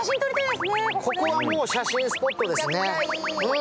ここはもう写真スポットですね。